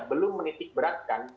belum menitik beratkan